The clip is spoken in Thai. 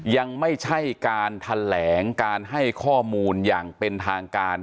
ยังไม่ใช่การแถลงการให้ข้อมูลอย่างเป็นทางการ